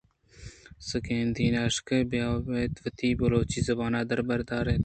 سکین دینّ اش کہ بیا اِت وتی بلوچی زبان ءَ در بہ بر اِت